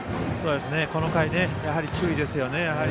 この回、注意ですよね。